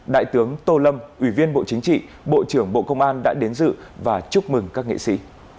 đại tướng tô lâm ủy viên bộ chính trị bộ trưởng bộ công an đã đến dự và chúc mừng các nghệ sĩ